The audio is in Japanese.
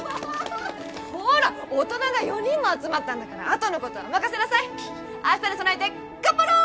ほら大人が４人も集まったんだからあとのことは任せなさい明日に備えて頑張ろう！